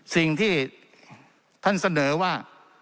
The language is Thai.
สิ่งที่ท่านเสนอว่า